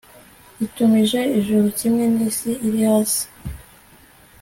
itumije ijuru, kimwe n'isi iri hasi